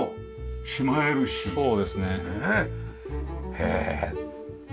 へえ。